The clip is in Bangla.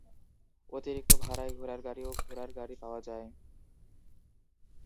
অতিরিক্ত ভাড়ায় ঘোড়ার গাড়ি ও ঘোড়ার গাড়ি পাওয়া যায়।